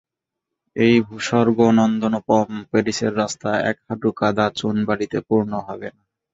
এই ভূস্বর্গ, নন্দনোপম প্যারিসের রাস্তা এক হাঁটু কাদা চুন বালিতে পূর্ণ হবেন।